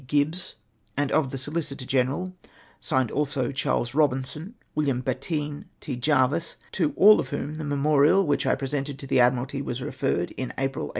Gibbs, and of the Solicitor General, signed also Charles Eobinson, Wil liam Battine, T. Jarvis, to all of whom the memorial which I presented to the Admiralty was referred in April, 1809.